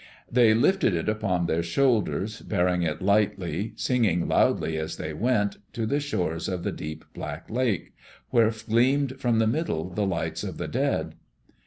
They lifted it upon their shoulders, bearing it lightly, singing loudly as they went, to the shores of the deep black lake, where gleamed from the middle the lights of the dead.